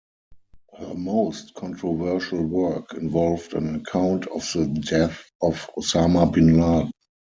Her most controversial work involved an account of the death of Osama bin Laden.